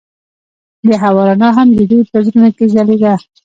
د هوا رڼا هم د دوی په زړونو کې ځلېده.